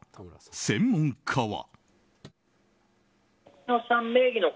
専門家は。